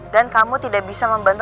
dan kamu tidak bisa membantu